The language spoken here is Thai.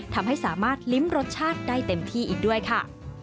ทำให้สามารถลิ้มรสชาติได้เต็มที่อีกด้วยค่ะ